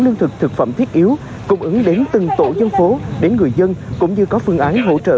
lương thực thực phẩm thiết yếu cung ứng đến từng tổ dân phố đến người dân cũng như có phương án hỗ trợ